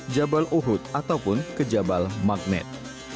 jabal uhud ataupun kejabal magnet